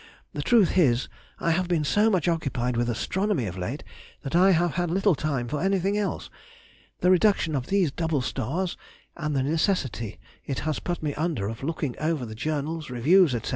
The truth is, I have been so much occupied with astronomy of late, that I have had little time for anything else—the reduction of these double stars, and the necessity it has put me under of looking over the journals, reviews, &c.